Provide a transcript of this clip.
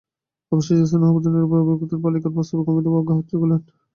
অবশেষে এই স্নেহদুর্বল নিরুপায় অভিভাবকদ্বয় বালিকার প্রস্তাব গম্ভীরভাবে গ্রাহ্য করিলেন।